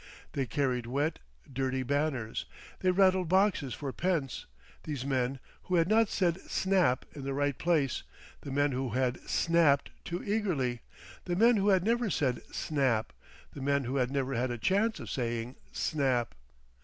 They carried wet, dirty banners, they rattled boxes for pence; these men who had not said "snap" in the right place, the men who had "snapped" too eagerly, the men who had never said "snap," the men who had never had a chance of saying "snap."